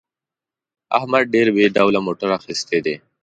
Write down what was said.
احمد ډېر بې ډوله موټر اخیستی دی.